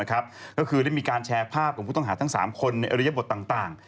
ก็คือได้มีการแชร์ภาพของผู้ต้องหาทั้ง๓คนในอริยบทต่าง